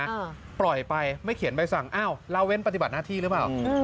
เวลาจรท่านนี้นะปล่อยไปไม่เขียนใบสั่งเอ้าเราเว้นปฏิบัติหน้าที่หรือเปล่า